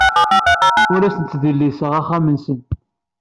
Ur asen-ttdelliseɣ axxam-nsen.